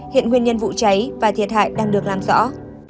hiện nguyên nhân vụ cháy và thiệt hại đang được làm rõ